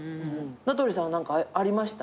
名取さんは何かありました？